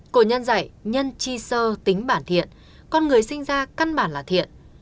cổ nhân dạy nhân chi sơ tính bản thiện con người sinh ra căn bản là thiện